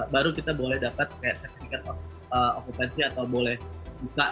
baru kita boleh dapat kayak sertifikat okupansi atau boleh buka